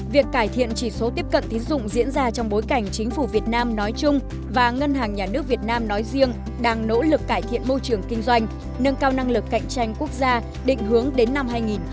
việc cải thiện chỉ số tiếp cận tín dụng diễn ra trong bối cảnh chính phủ việt nam nói chung và ngân hàng nhà nước việt nam nói riêng đang nỗ lực cải thiện môi trường kinh doanh nâng cao năng lực cạnh tranh quốc gia định hướng đến năm hai nghìn ba mươi